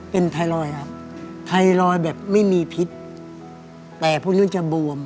เป็นไทรอยค่ะไทรอยแบบไม่มีพิชแต่พวกนั้นจะบวม